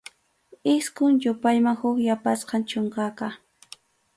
Isqun yupayman huk yapasqam chunkaqa.